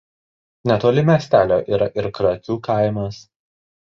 Netoli miestelio yra ir Krakių kaimas.